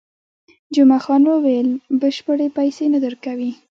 جمعه خان وویل، بشپړې پیسې نه درکوي.